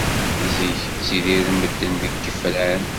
Zik, ttidiren medden deg yifran.